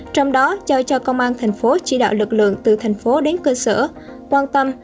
trong đó cho công an thành phố chỉ đạo lực lượng từ thành phố đến cơ sở quan tâm